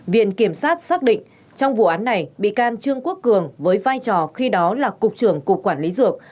viện kiểm sát xác định trong vụ án này bị can trương quốc cường với vai trò khi đó là cục trưởng cục quản lý dược